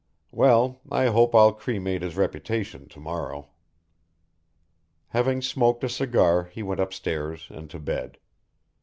Well, I hope I'll cremate his reputation to morrow." Having smoked a cigar he went upstairs and to bed.